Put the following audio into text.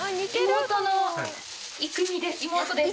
妹です。